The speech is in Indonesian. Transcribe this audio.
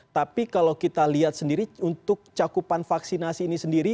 tapi kalau kita lihat sendiri untuk cakupan vaksinasi ini sendiri